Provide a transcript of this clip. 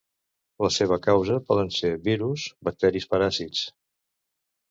La seva causa poden ser virus, bacteris paràsits.